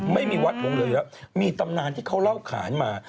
ไม่มีวัดหงเหลืองแล้วมีตำนานที่เขาเล่าขานมา